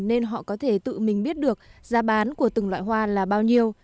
nên họ có thể tự mình biết được giá bán của từng loại hoa là bao nhiêu